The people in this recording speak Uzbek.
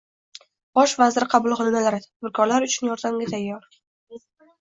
Bosh vazir qabulxonalari – tadbirkorlar uchun yordamga tayyor